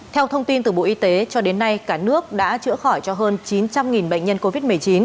theo thông tin từ bộ y tế cho đến nay cả nước đã chữa khỏi cho hơn chín trăm linh bệnh nhân covid một mươi chín